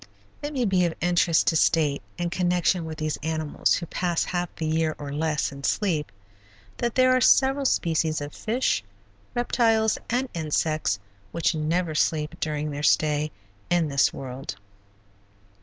It may be of interest to state in connection with these animals who pass half the year, or less, in sleep, that there are several species of fish, reptiles, and insects which never sleep during their stay in this world.